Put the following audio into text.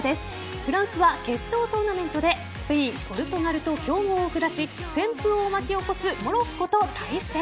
フランスは決勝トーナメントでスペイン、ポルトガルと強豪を下し旋風を巻き起こすモロッコと対戦。